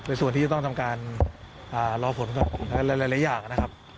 เป็นส่วนที่ต้องทำการะรอผลก่อนแล้วหลายหลายอย่างนะครับ